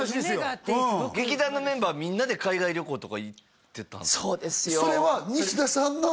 すごく劇団のメンバーみんなで海外旅行とか行ってたんですか？